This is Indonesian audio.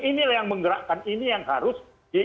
inilah yang menggerakkan ini yang harus